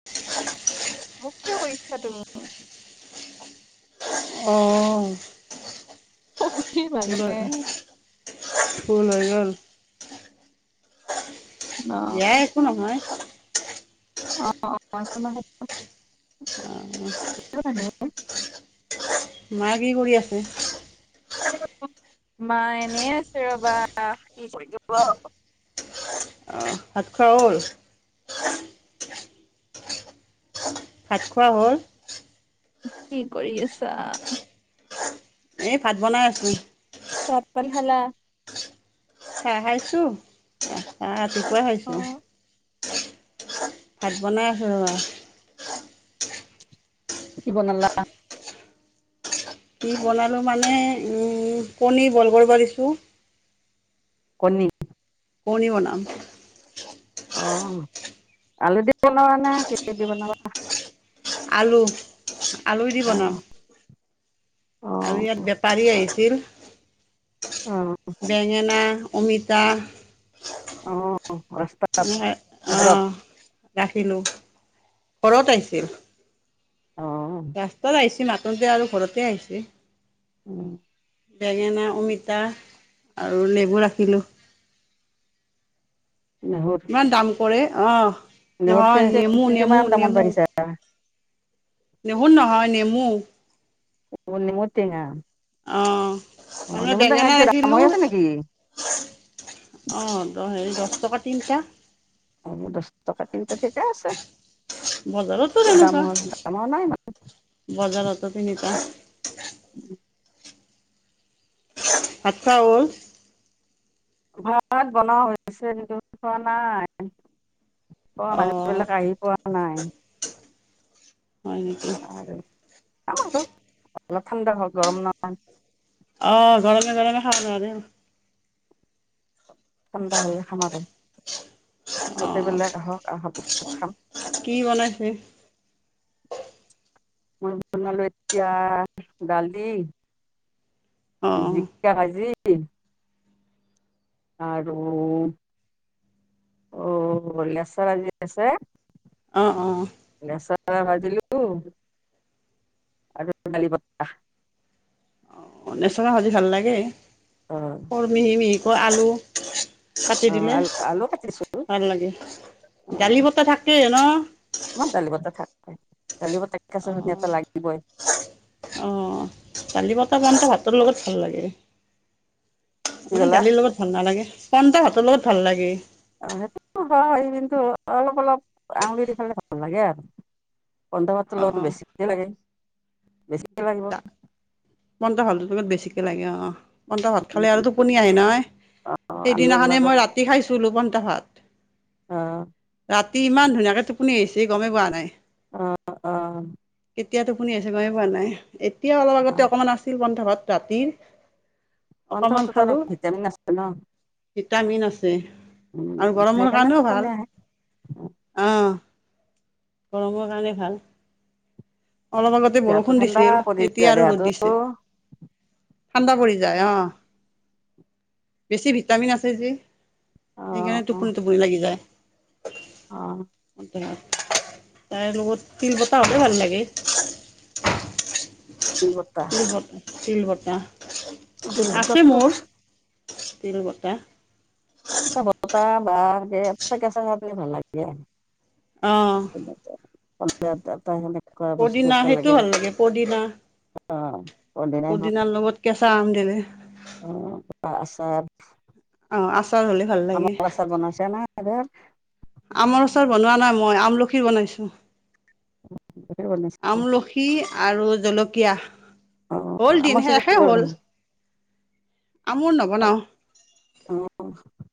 [inaudible] মোক কিয় কৰিছা তুমি? অঁ। চবেই মানে ফুল হৈ গ'ল। দিয়া একো নহয়। অঁ, অঁ বৰ্তমান সেইটো। ব [unintelligible] ে [unintelligible] মায়ে কি কৰি আছে? মাই এনেই আছে। ৰবা, কি কৰিব? ভাত খোৱা হ'ল? ভাত খোৱা হ'ল। কি কৰি আছা? এই ভাত বনাই আছোঁ। পপকন খালা? চাহ খাইছোঁ। অঁ, ৰাতিপুৱাই খাইছোঁ। অ', ভাত বনাই আছোঁ। ৰ'বা। কি বনালা? কি বনালোঁ মানে, ও--কণী বইল কৰিব দিছোঁ। কণী? কণী বনাম। অঁ, আলু দি বনাবা নে? কিহেদি বনাবা? আলু। আলু দি অ বনাম অ আৰু ইয়াত বেপাৰী আহিছিল। বেঙেনা, অমিতা। অঁ। অঁ, ৰাখিলোঁ। ঘৰত আহিছিল। অ ৰাস্তাত আহিছিল, মাটতে আৰু ঘৰতে আহিছে। উম। বেঙেনা, অমিতা আৰু লেবু ৰাখিলোঁ। নেহুৰ ইমান দাম কৰে, অ। নেহুৰ নহয়, নেমু কিমান নেমু দামত নেমু, লাগিছে নেহু নহয় নেমু। অ নেমু টেঙা। অ মানে বেঙেনা এতিয়া দাম হৈ ৰাখিলো। আছে নেকি? অঁ দ হেৰি দছ টকাত তিনিটা। অ মোৰ দছটকাত তিনিটা ঠিকে আছে, বজাৰতো অ দামৰ দাম হোৱা নাই ইমান। বজাৰটো তিনিটা। উম। ভাত খোৱা হ'ল? ভাত বনোৱা হৈছে কিন্তু খোৱা নাই। অ অঁ মানুহবিলাক আহি পোৱা নাই। [unintelligible] [unintelligible] অ, গৰমে - গৰমে খাব নোৱাৰে। ঠাণ্ডা হলে খাম আৰু অঁ গোটেইবিলাক আহক, আহা পিছত খাম। কি বনাইছে? মই বনালো এতিয়া দালি, অঁ জি কা ভাঁজি আৰু অ লেচাৰা ভাজি আছে অঁ অঁ। লেচেৰা ভাজিলোঁ আৰু দালি বতা। অ লেচেৰা ভাজি ভাল লাগে। অ। সৰু মিহি মিহিকৈ আলু কাটি দিলে আলু আলু কাটিছোঁ ভাল লাগে। দালি বতা থাকেই ন? আমাৰ দালি বতা থাকে, দালি বতা অঁ, অঁ, দালি বতা ইমানটা ভাতৰ লগত ভাল লাগে। কি এনে ক'লা দালিৰ লগত ভাল নালাগে, পান্তা ভাতৰ লগত ভাল লাগে। অ সেইটোতো হয় কিন্তু অলপ অলপ আঙুলি দি খালে ভাল লাগে আৰু। পন্তা ভাতৰ অ লগত বেছিকে লাগে, বেছিকে লাগিব। পন্তা ভাতৰ লগত বেছিকে লাগে অ অ। পন্তা ভাত খালে আৰু কিন্তু টোপনি আহে নহয়, আঞ্জাৰ সেইদিনাখনে লগত মই ৰাতি খাইছিলো পন্তা ভাত। আঁ। ৰাতি ইমান ধুনীয়াকে টোপনি আহিছি গমেই পোৱা নাই। অ, অ। এতিয়া টোপনি আহিছে গমেই পোৱা নাই, এতিয়া অলপ আগতে অকমান আছিল পন্থা ভাত ৰাতিৰ। পন্থা অকণমান ভাতত [unintelligible] খালোঁ ভিটামিন আছে ন? ভিটামিন আছে আৰু গৰমৰ সেইকাৰণে কাৰণেও টোপনি ভাল। আহে অ, গৰমৰ কাৰণে ভাল। অলপ আগতে দেহাটো বৰষুণ ঠাণ্ডা দিছিল, পৰি এতিয়া যায় আৰু দেহাটো ৰ'দ দিছে। ঠাণ্ডা পৰি যায় অ। বেছি ভিটামিন আছে যে। সেইকাৰণে টোপনি টোপনি লাগি যায়। তাৰ লগত তিল বটা হ'লেও ভাল লাগে। বতাহ তিল বটা, আছে বতাহটো মোৰ। তিল বটা। তিল বটা বা তাৰ কেঁচা ভাৱটোৱে ভাল লাগে। অ তাৰমানে পদিনা সেইটো ভাল লাগে, পদিনা। অ', পদিনাৰ লগত কেঁচা আম দিলে। উম্, আচাৰ অ', আচাৰ হ'লেও আমৰ আচাৰ বনাইছানে? আমৰ আচাৰ বনোৱা নাই মই, আমলখিৰ বনাইছোঁ। ধেৰ বনাইছে আমলখি আমলখি আৰু জলকীয়া, অ হ'ল আমৰ দিন চিজন শেষে গ'ল দেখোন হ'ল। আমৰ নৱনাওঁ। অ',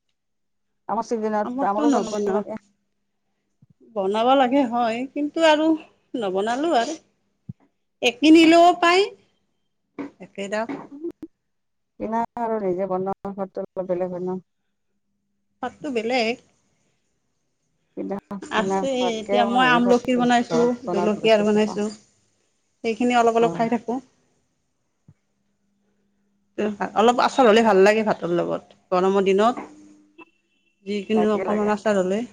আমাৰ চিজনত, আমৰটো আমাৰো বনাব নবনাও লাগে। বনাব লাগে হয়, কিন্তু আৰু নবনালো আৰু। এ কিনিলেও পাই, একেদাম কিনা আৰু নিজে বনোৱা ঘৰতো অলপ বেলেগ হয় ন! সোৱাদটো বেলেগ। কিনা কিনা আছে, সোৱাদকে এতিয়া মই হেৰি সোৱাদটো আমলখিৰ বেছি বনাইছোঁ, ঘৰত বনোৱাটো বেছি জলকীয়াৰ ভাল পাওঁ বনাইছোঁ। সেইখিনি অলপ অ অলপ খাই থাকোঁ। অলপ আচাৰ হ'লে ভাল লাগে ভাতৰ লগত, গৰমৰ দিনত। যিকিনো লাগে লাগে অকণমান আচাৰ হ'লে।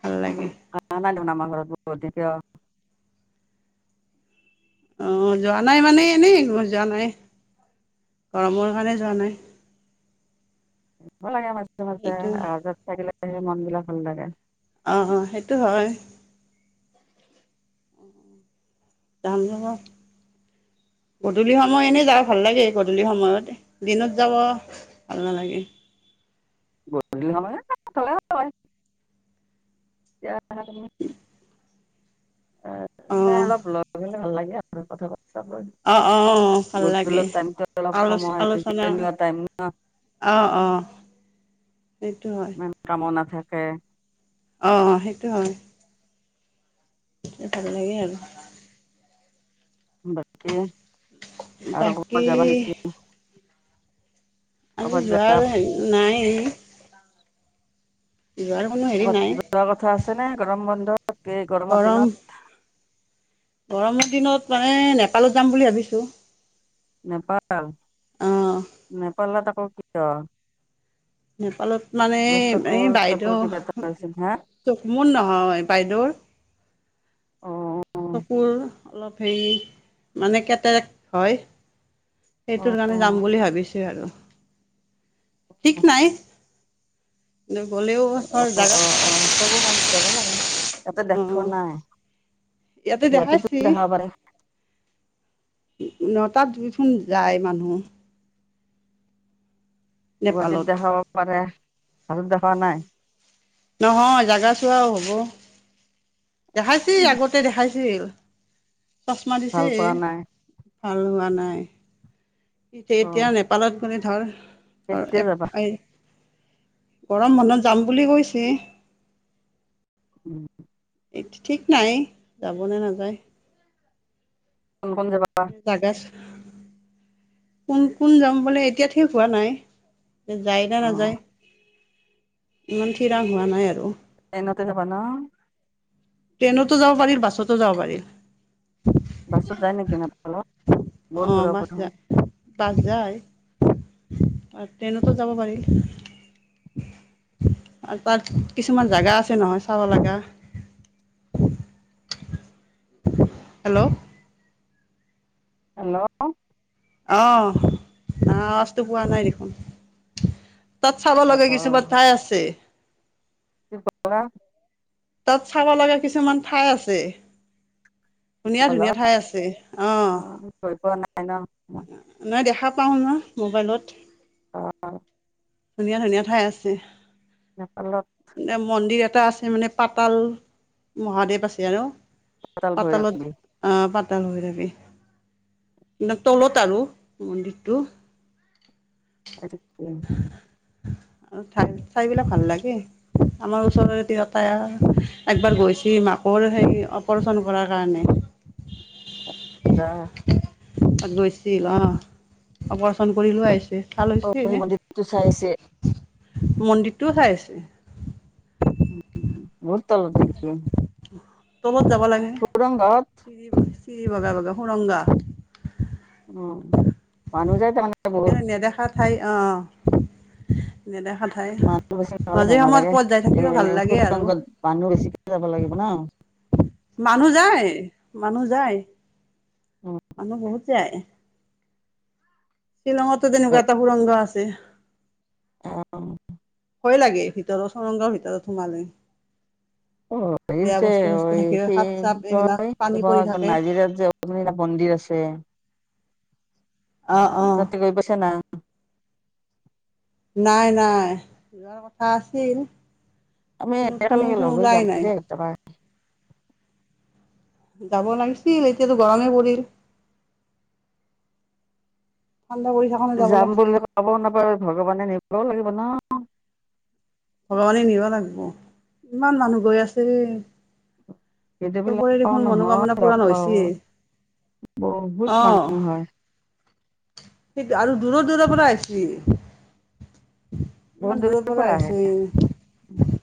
ভাল লাগে। আমাৰ ঘৰত অ', যোৱা নাই মানে, এনে যোৱা নাই। গৰমৰ কাৰণে যোৱা নাই। লাগে মাজে মাজে, সেইটো আহ-যাহ থাকিলেহে মন বিলাক ভাল লাগে। অ', অ', সেইটো হয়। যাম ৰ'ব। গধূলি সময়ত এনে যাওঁ ভাল লাগে, গধূলি সময়ত, দিনত যাব ভাল নালাগে। গধূলি সময় নাই অঁ অলপ ওলাই গ'লে, ভাল লাগে আৰু কথা পাতিবলৈ। অঁ অঁ ভাল গধুল লাগে টাইমটো অলপ আলো সময়, টাইম অ'অ', সেইটো হয়। ইমান কামো নাথাকে। অ', সেইটো হয়। সেই ভাল লাগে আৰু। বাকী আৰু বাকী ক'ৰবাত যাবা নেকি? আজি ক'ৰবাত যা যোৱাৰ হেৰি নাই। যোৱাৰ কোনো হেৰি নাই। যোৱাৰ কথা আছেনে? গৰম বন্ধত, এই গৰমৰ গৰম দিনত। গৰমৰ দিনত মানে নেপালত যাম বুলি ভাবিছো। নেপাল অঁ নেপালত আকৌ কিয়? নেপালত মানে কিবা এই চকুৰ চকুৰ বাইদেউ কিবা এটা হৈছিল হা মোৰ নহয় বাইদেউৰ অ চকুৰ অলপ হেৰি মানে কেটেৰেক্ট হয়। অ সেইটোৰ কাৰণে যাম বুলি ভাবিছো আৰু ঠিক নাই। কিন্তু গ'লেও ধৰ অ অ জাগাত অ চকু কাৰনে যাব লাগে ইয়াতে দেখোৱা অঁ নাই ইয়াতে দেখাইছি গুৱাহাটীতো দেখাব পাৰে। ন টাত দেখোন যায় মানুহ। গুৱাহাটীত নেপালত দেখাব পাৰে [inaudible] দেখা নাই। নহয় জাগা চোৱাও হ'ব। দেখাইছে আগতে দেখাইছিল চচমা দিছে। ভাল পোৱা নাই ভাল হোৱা নাই অ এতিয়া নেপালত গলে ধৰ আৰু কেতিয়া এক যাবা গৰম বন্ধত যাম বুলি কৈছে। উম। ঠিক নাই যাবনে নাযায়। কোন কোন যাবা? জাগা। কোন কোন যাম বোলে এতিয়া ঠিক হোৱা নাই। যায় না অ নাযায় ইমান থিৰাং হোৱা নাই আৰু। ট্ৰেইনতে যাবা ন? ট্ৰেইনতো যাব পাৰি বাছতো যাব পাৰি। বাছত যায় নেকি? নেপালত বহুত অঁ দূৰ বাছ হ'ব চোন। যায় বাছ যায় আৰু ট্ৰেইনতো যাব পাৰি। আৰু তাত কিছুমান জাগা আছে নহয় চাব লগা। Hello hello. আহ আৱাজটো পোৱা নাই দেখোন। তাত চাব অ লগা কিছুমান ঠাই আছে। [inaudible] তাত চাব লগা কিছুমান ঠাই আছে। ধুনীয়া ধুনীয়া নেপালত ঠাই আছে আহ। অ গৈ পোৱা নাই ন মই নাই দেখা পাওঁ ন মোবাইলত। অঁ। ধুনীয়া ধুনীয়া ঠাই আছে। নেপালত। মন্দিৰ এটা আছে মানে পাতাল মহাদেৱ আছে আৰু। অটল পাতালত ভৈৰৱী আহ পাতাল হৈ থাকে। তলত আৰু মন্দিৰটো। [inaudible] ঠাই বিলাক ভাল লাগে। আমাৰ ওচৰৰে দেউতাই একবাৰ গৈছে মাকৰ সেই অপাৰচন কৰাৰ কাৰণে। [inaudible] [inaudible] তাত গৈছিল অ অপাৰচন কৰি লৈ আহিছে ভাল হৈছে। টো চাইছে মন্দিৰটোও চাইছে উম তল ডিগি ৰোমত যাব লাগে চিৰি বগা বগা সুৰংগা উ মানুহ যায় তাৰমানে বহুত নেদেখাত স্থায়ী অ' এ নেদেখা ঠাই মানুহ বেছি নহ'লে মাজে ভাল সময়ত ক'বাত যাই থাকিও ভাল লাগে আৰু মানু বেছি যাব লাগিব না মানুহ যায় মানুহ যায় মানুহ বহুত যায়। শ্বিলঙতো তেনেকুৱা এটা সুৰংগ আছে অ' কৰিলাগে ভিতৰৰ সুৰংগৰ ভিতৰত সোমাই লৈ? অ এই যে চস্তু থাকিলে স সাপ চাপ কি এইবিলাক পানী পৰি কয় থাকে নাজিৰাত যে এটা মন্দিৰ আছে অ অ ততে গৈ পইছা ন নাই নাই যাৰ কথা আছিল আমি কিন্তু একেলগে কোনোচোন লগ হৈ যাম ওলাই নাই দেই কেতিয়াবা। যাব লাগিছিল এতিয়াতো গৰমে পৰিল ঠাণ্ডা কৰি থা যাম বুলি ক'বও নাপাই ভগৱানে নিবও লাগিব নহয় ভগৱানে নিব লাগব ইমান মানুহ গৈ আছে। সেইটোবিলাক চবৰে পাওঁ দেখোন নহয় মনোকামনা লগ পূৰণ পাওঁ হৈছে বহুত মানুহ হয়। সেই আৰু দূৰ দূৰৰ পৰা আহিছে ইমান দূৰৰ পৰা আহিছে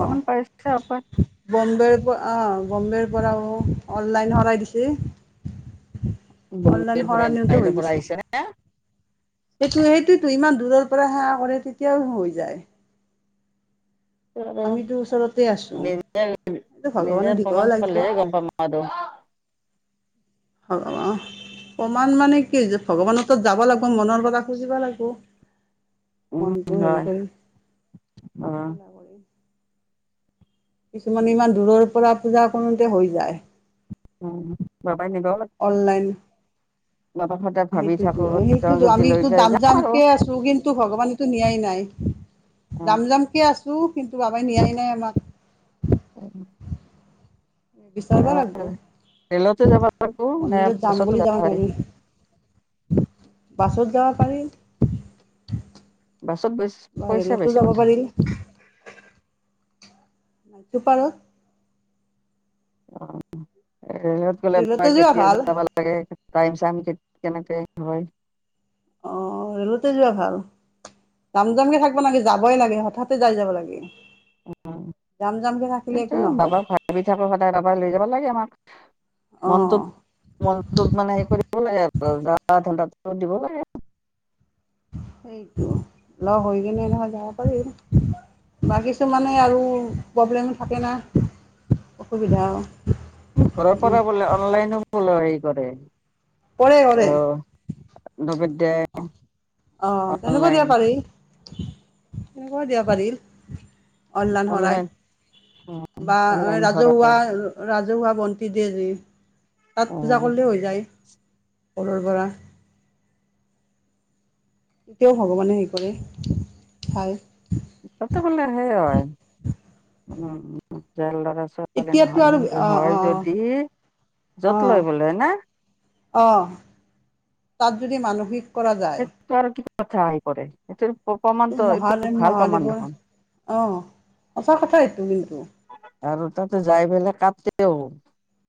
অকমান পাৰিছে অকমান বম্বেৰ পৰা অ বম্বেৰ পৰাও অনলাইন শৰাই দিছে। অনলাইন বম্বে শৰাই পৰা নিওঁতে হৈ বাহিৰৰ পৰা গৈছে আহিছে সেইটো সেইটোতো ইমান দূৰৰ পৰা সেৱা কৰে তেতিয়াওঁ হৈ যায়। অ আমিতো ওচৰতে আছোঁ নিজে এইটো ভগৱানে নিজে দিবও প্ৰমাণ লাগিব পালেহে গম পাম আৰু হ'ব প্ৰমান মানে কি, ভগৱানতাত যাব লাগব মনৰ গথা খুজিব লাগব। উম হয় উম খোলা কিছুমানে ইমান দূৰৰ পৰা পূজা কৰোতে হৈ যায়। উম বাবা নিবওঁ লাগ অললাইন। বাবা ঠাইত সেইটোতো সেইটোতো আমি জাম যাম আৰু জামকে আছো কিন্তু ভগৱানেতো নিয়াই নাই। অ। যাম যামকে আছো, কিন্তু বাবাই নিয়াই নাই আমাক। অ বিচাৰিব লাগব, ৰেলতো যাব লাগিব নে মন্দিৰত যাম বাছতো বুলি যাব পাৰি। নোৱাৰি। বাছত যাব পাৰি। বাছত বেছ বা পইচা বেছি ৰে'লতো যাব বোধয় পাৰি। নাইটছুপাৰত। ৰে'লত ৰে'লতে গ'লে যোৱা কেতিয়া ভাল যাবা তাকে টাইম চাইম কেনেকে হয়। অ' ৰে'লতে যোৱা ভাল। যাম যাম কে থাকিব নালাগে, যাবই লাগে হঠাতে যাই যাব লাগে। যাম যাম সেইতো বাবাক ভাবি থাকে সদায় বাবাই লৈ যাব লাগে আমাক। মনটো অঁ মনটোত মানে হেৰি কৰিব লাগে আৰু [unintelligible] দিব লাগে। সেইটো লগ হৈ কিনে নহয় যাব পাৰি। বা কিছুমানে আৰু প্ৰব্লেম থাকে না, অসুবিধা ঘৰৰ উম, পৰা বোলে অ'নলাইনো বোলে হেৰি কৰে। কৰে কৰে। দুবে যায় অ' অ' তেনেকুৱা দিবা পাৰি তেনেকুৱা দিবা পাৰিল। অ'নলাইন শৰাই বা অনলাইন কৰা ৰাজহুৱা ৰাজহুৱা বন্তি দিয় যে অ তাত পূজা কৰিলেওঁ হৈ যায় ঘৰৰ পৰা। তেতিয়াও ভগৱানে হেৰি কৰে, চাই। তাতে বোলে সেই হয়, উম ল'ৰা ছো ছোৱালী এতিয়াতো আৰু নহয় অ অ হয় যদি যত লয় বলে না? আহ তাত যদি মানসিক কৰা যায় ক'ৰ কি কথা আহি পৰে সেইটো প্ৰমাণটো মহাদেৱ ভাল প্ৰমাণ মহাদেৱৰ দেখোন। অঁ সঁচা কথা এইটো কিন্তু। আৰু তাতো যায় পেলাই কাটিও।